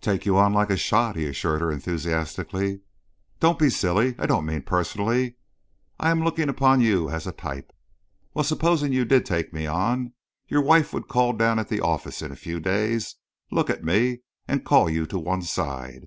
"Take you on like a shot," he assured her enthusiastically. "Don't be silly. I don't mean personally. I am looking upon you as a type. Well, supposing you did take me on, your wife would call down at the office in a few days, look at me and call you to one side.